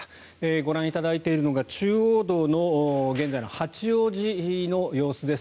ご覧いただいているのが中央道の現在の八王子の様子です。